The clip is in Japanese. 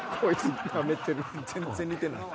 全然似てない。